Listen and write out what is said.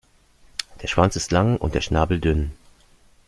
Der Schwanz ist lang und der Schnabel dünn.